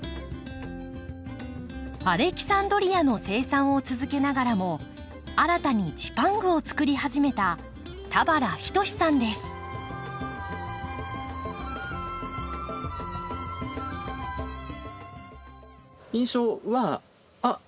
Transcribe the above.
アレキサンドリアの生産を続けながらも新たにジパングをつくり始めた印象は「あっ！